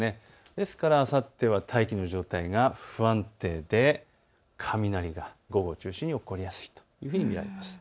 ですからあさっては大気の状態が不安定で雷が午後を中心に起こりやすいと見られます。